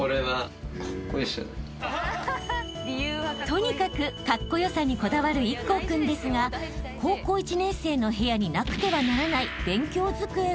［とにかくカッコ良さにこだわる壱孔君ですが高校１年生の部屋になくてはならない］